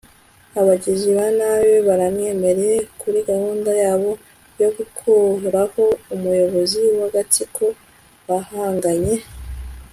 abagizi ba nabi baramwemereye kuri gahunda yabo yo gukuraho umuyobozi w'agatsiko bahanganye